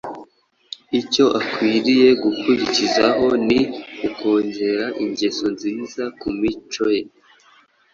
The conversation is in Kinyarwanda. icyo akwiriye gukurikizaho ni ukongera ingeso nziza ku mico ye,